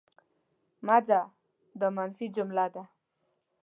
مه ځه! دا منفي جمله ده.